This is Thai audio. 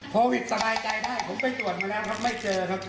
โควิดสบายใจได้ผมไปตรวจมาแล้วครับไม่เจอครับ